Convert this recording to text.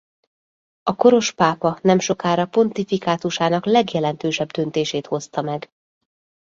A koros pápa nemsokára pontifikátusának legjelentősebb döntését hozta meg.